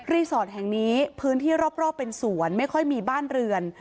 สอดแห่งนี้พื้นที่รอบเป็นสวนไม่ค่อยมีบ้านเรือน